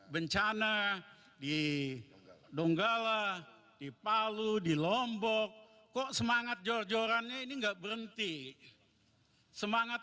bencana di donggala di palu di lombok kok semangat jor jorannya ini enggak berhenti semangat